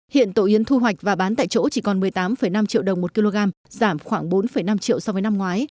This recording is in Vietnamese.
hiện tổ yến thu hoạch và bán tại chỗ chỉ còn một mươi tám năm triệu đồng một kg giảm khoảng bốn năm triệu so với năm ngoái